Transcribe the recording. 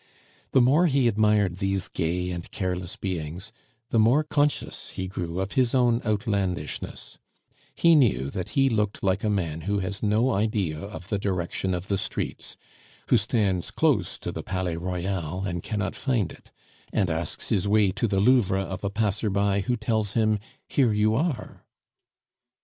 The more he admired these gay and careless beings, the more conscious he grew of his own outlandishness; he knew that he looked like a man who has no idea of the direction of the streets, who stands close to the Palais Royal and cannot find it, and asks his way to the Louvre of a passer by, who tells him, "Here you are."